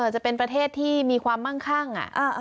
จะเป็นประเทศที่มีความมั่งคั่ง